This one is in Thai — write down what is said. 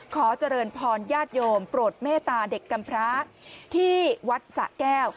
ขอเจริญพรญาติโยมโปรดเมตตาเด็กกำพระที่วัดสะแก้ว